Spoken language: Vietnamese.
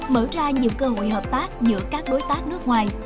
mở ra nhiều cơ hội hợp tác giữa các đối tác nước ngoài